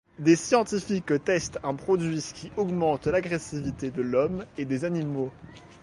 Des scientifiques testent un produit qui augmente l'agressivité de l'homme et des animaux.